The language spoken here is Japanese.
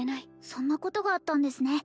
そんなことがあったんですね